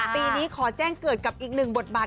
ปีนี้ขอแจ้งเกิดกับอีกหนึ่งบทบาท